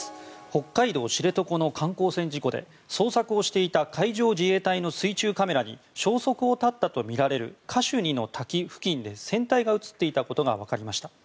北海道知床の観光船事故で捜索をしていた海上自衛隊の水中カメラに消息を絶ったとみられるカシュニの滝付近に船体が映っていたことが分かりました。